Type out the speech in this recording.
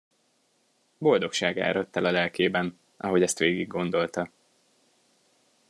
Boldogság áradt el a lelkében, ahogy ezt végiggondolta.